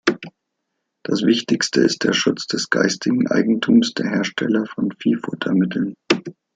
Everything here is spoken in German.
Das Wichtigste ist der Schutz des geistigen Eigentums der Hersteller von Viehfuttermitteln.